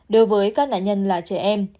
đối với các nạn nhân là trẻ em